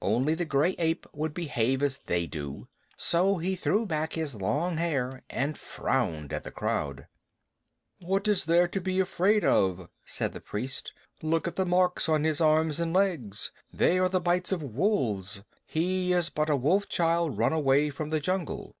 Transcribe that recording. "Only the gray ape would behave as they do." So he threw back his long hair and frowned at the crowd. "What is there to be afraid of?" said the priest. "Look at the marks on his arms and legs. They are the bites of wolves. He is but a wolf child run away from the jungle."